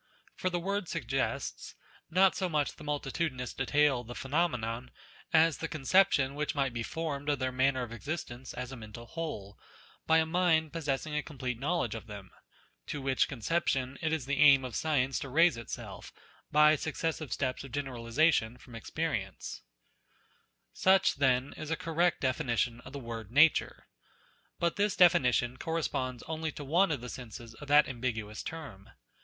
For the word suggests, not so much the multitudinous detail of the phenomena, as the con ception which might be formed of their manner of existence as a mental whole, by a mind possessing a complete knowledge of them : to which conception it is the aim of science to raise itself, by successive steps of generalization from experience. NATURE 7 Such, then, is a correct definition of the word Nature. But this definition corresponds only to one of the senses of that ambiguous term.